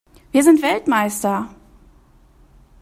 Wir sind Weltmeister!